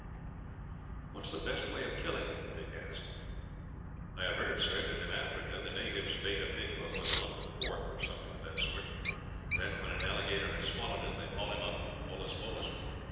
"What is the best way of killing them?" Dick asked. "I have heard, sir, that in Africa the natives bait a big hook with a lump of pork, or something of that sort; then, when an alligator has swallowed it, they haul him up, holus bolus.